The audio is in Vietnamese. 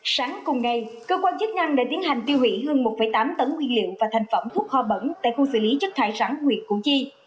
sáng cùng ngày cơ quan chức năng đã tiến hành tiêu hủy hơn một tám tấn nguyên liệu và thành phẩm thuốc hoa bẩn tại khu xử lý chất thải rắn huyện củ chi